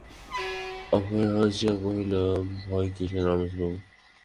অক্ষয় হাসিয়া কহিল, ভয় কিসের রমেশবাবু?